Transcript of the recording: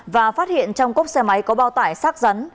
và phát hiện trong cốc xe máy có bao tải sát rắn